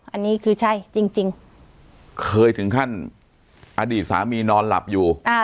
อันนี้คือใช่จริงเคยถึงขั้นอดีตสามีนอนหลับอยู่